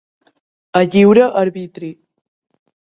A lliure arbitri.